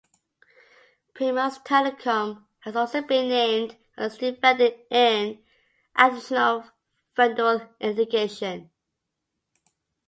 Primus Telecom has also been named as a defendant in additional federal litigation.